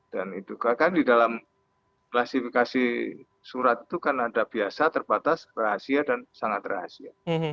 dan itu kan di dalam klasifikasi surat itu kan ada biasa terbatas rahasia dan sangat rahasia